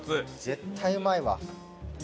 絶対うまいわ。